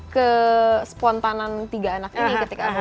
ke spontanan tiga anak ini ketika